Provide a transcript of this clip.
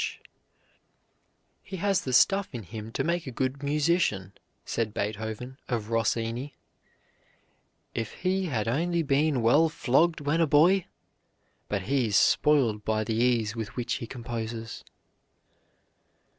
"He has the stuff in him to make a good musician," said Beethoven of Rossini, "if he had only been well flogged when a boy; but he is spoiled by the ease with which he composes."